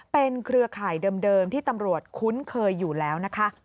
เป็นเครือข่ายเดิมที่ตำรวจคุ้นเคยอยู่แล้วนะคะ